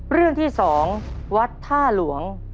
เรื่องที่๒คำถาม